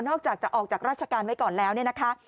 ออกจากจะออกจากราชการไว้ก่อนแล้วเนี่ยนะคะ